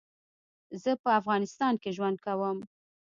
زه په افغانستان کي ژوند کوم